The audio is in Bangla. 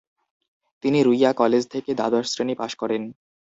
তিনি রুইয়া কলেজ থেকে দ্বাদশ শ্রেণি পাস করেন।